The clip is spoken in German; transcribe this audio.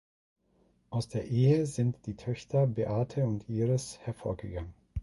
Aus der Ehe sind die Töchter Beate und Iris hervorgegangen.